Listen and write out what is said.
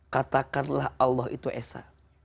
katakanlah allah itu esa